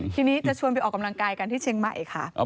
ทีนี้จะชวนไปออกกำลังกายกันที่เชียงใหม่ค่ะ